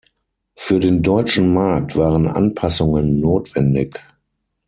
Für den deutschen Markt waren Anpassungen notwendig.